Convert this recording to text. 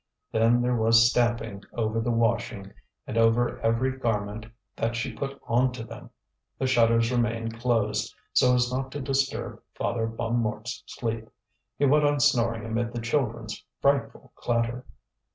Then there was stamping over the washing, and over every garment that she put on to them. The shutters remained closed so as not to disturb Father Bonnemort's sleep. He went on snoring amid the children's frightful clatter.